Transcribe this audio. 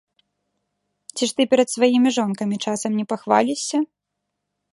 Ці ж ты перад сваімі жонкамі часам не пахвалішся?